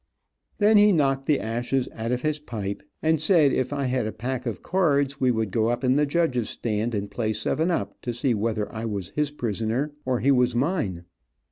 Then he knocked the ashes out of his pipe and said if I had a pack of cards we would go up in the judges stand and play seven up to see whether I was his prisoner, or he was mine.